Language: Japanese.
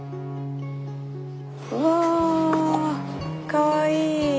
うわかわいい！